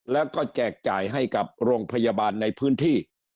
แล้วก็แจกจ่ายให้กับโรงพยาบาลในพื้นที่